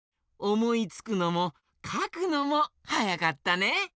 おもいつくのもかくのもはやかったね。